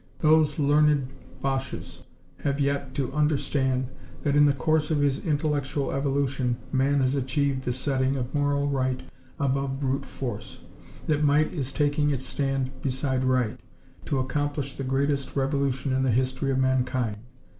Those learned Boches have yet to understand that in the course of his intellectual evolution, man has achieved the setting of moral right above brute force; that might is taking its stand beside right, to accomplish the greatest revolution in the history of mankind.